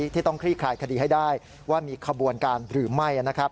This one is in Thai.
ที่ต้องคลี่คลายคดีให้ได้ว่ามีขบวนการหรือไม่